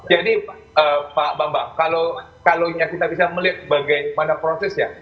jadi pak bambang kalau kita bisa melihat bagaimana prosesnya